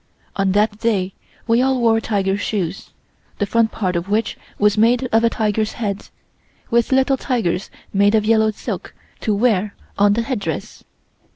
On that day we all wore tiger shoes, the front part of which was made of a tiger's head, with little tigers made of yellow silk to wear on the headdress.